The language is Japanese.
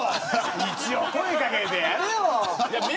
一応、声掛けてやれよ。